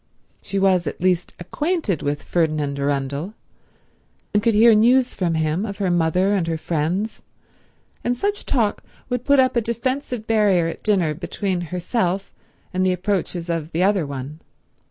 She was at least acquainted with Ferdinand Arundel, and could hear news from him of her mother and her friends, and such talk would put up a defensive barrier at dinner between herself and the approaches of the other one.